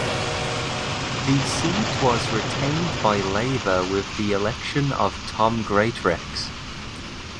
The seat was retained by Labour with the election of Tom Greatrex.